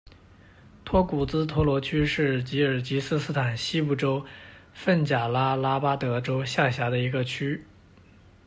托古兹托罗区是吉尔吉斯斯坦西部州份贾拉拉巴德州下辖的一个区。